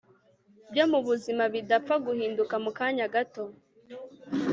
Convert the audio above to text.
byo mu buzima bidapfa guhinduka mu kanya gato